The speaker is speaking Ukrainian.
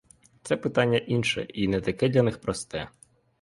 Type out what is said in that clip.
Це питання інше й не таке для них просте.